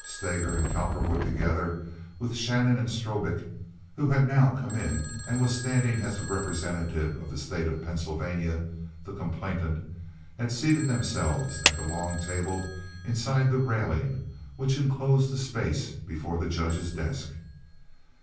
Steger and Cowperwood, together with Shannon and Strobik, who had now come in and was standing as the representative of the State of Pennsylvania—the complainant—had seated themselves at the long table inside the railing which inclosed the space before the judge's desk.